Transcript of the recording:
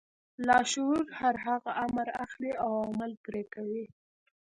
لاشعور هر هغه امر اخلي او عمل پرې کوي.